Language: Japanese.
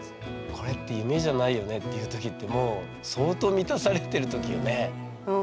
「これって夢じゃないよね」って言う時ってもう相当満たされる時よね。